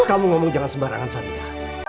kamu ngomong jangan sembarangan fadiga